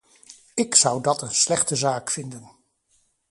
Ik zou dat een slechte zaak vinden.